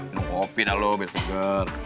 makan kopi dah lo biar seger